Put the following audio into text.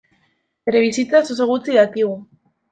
Bere bizitzaz oso gutxi dakigu.